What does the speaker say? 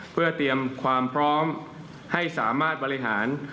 เพื่อเตรียมความพร้อมให้สามารถบริหาร